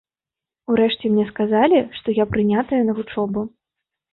Урэшце мне сказалі, што я прынятая на вучобу.